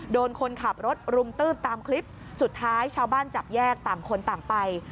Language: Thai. โดนคนขับรถรุมตืบตามคลิปสุดท้ายชาวบ้านจับแยกต่างคนต่างไป